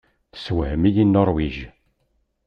Tessewhem-iyi Nuṛwij.